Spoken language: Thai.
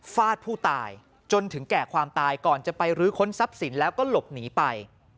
ฟาดผู้ตายจนถึงแก่ความตายก่อนจะไปรื้อค้นทรัพย์สินแล้วก็หลบหนีไป